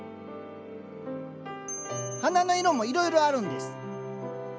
花の色もいろいろあるんです。